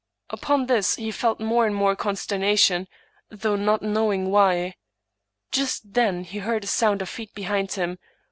Upon this he felt more and more consternation, though not knowing why. Just then he heard a sound of feet be hind him.